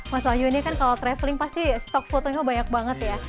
mas wahyu ini kan kalau traveling pasti stok fotonya banyak banget ya